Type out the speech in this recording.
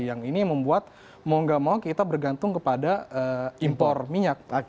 yang ini membuat mau gak mau kita bergantung kepada impor minyak